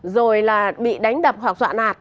rồi là bị đánh đập hoặc dọa nạt